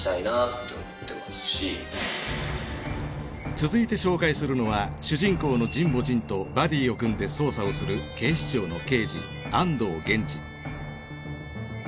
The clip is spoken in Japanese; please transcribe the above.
続いて紹介するのは主人公の神保仁とバディを組んで捜査をする警視庁の刑事安堂源次。